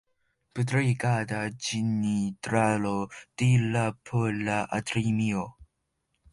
Brigada generalo de la Pola Armeo.